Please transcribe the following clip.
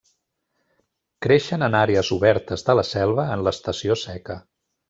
Creixen en àrees obertes de la selva en l'estació seca.